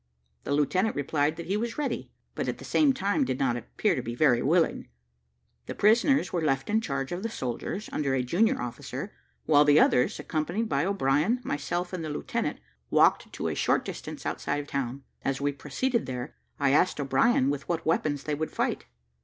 The lieutenant replied that he was ready; but, at the same time, did not appear to be very willing. The prisoners were left in charge of the soldiers, under a junior officer, while the others, accompanied by O'Brien, myself, and the lieutenant, walked to a short distance outside of the town. As we proceeded there, I asked O'Brien with what weapons they would fight.